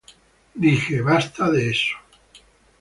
Dije, 'basta de eso'.